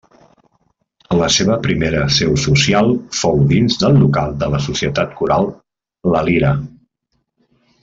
La seva primera seu social fou dins del local de la Societat Coral La Lira.